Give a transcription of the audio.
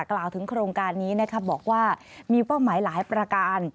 กล่าวถึงโครงการนี้นะครับบอกว่ามีเป้าหมายหลายประการ